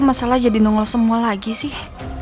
masalah jadi nongol semua lagi sih